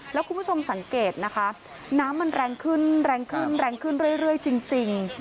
แล้วคุณผู้ชมสังเกตนะคะน้ำมันแรงขึ้นเรื่อยจริง